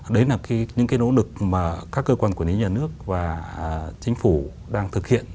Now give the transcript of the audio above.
đấy là những cái nỗ lực mà các cơ quan quản lý nhà nước và chính phủ đang thực hiện